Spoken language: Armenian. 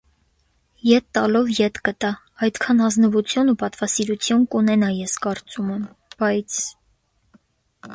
Ետ տալով ետ կտա,- այդքան ազնվության ու պատվասիրություն կունենա, ես կարծում եմ,- բայց…